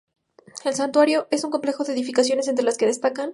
El santuario es un complejo de edificaciones entre las que destacan:.